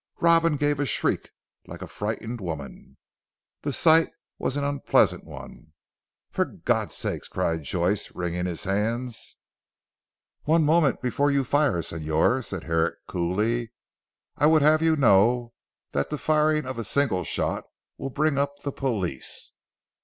Robin gave a shriek like a frightened woman. The sight was an unpleasant one. "For God's sake!" cried Joyce wringing his hands. "One moment before you fire Señor," said Herrick coolly, "I would have you know that the firing of a single shot will bring up the police."